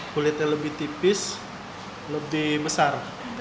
kulitnya lebih tipis lebih besar